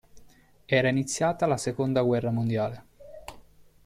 Era iniziata la Seconda guerra mondiale.